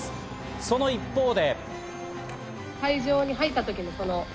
その一方で。